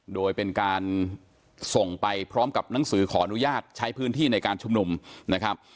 โดยเป็นการส่งไปพร้อมกับหนังสือขออนุญาตใช้พื้นที่ในการชุมนุมนะครับ